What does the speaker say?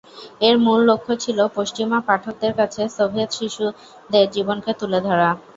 এর মূল লক্ষ্য ছিল পশ্চিমা পাঠকদের কাছে সোভিয়েত শিশুদের জীবনকে তুলে ধরা।